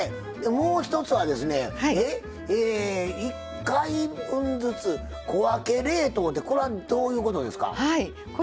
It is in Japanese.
もう一つは、１回分ずつ小分け冷凍ってこれは、どういうことですか？